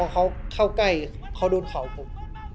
เขาโดนเขาผม